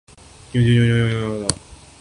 قیمتی handbag رکھنے کا شوق تھا۔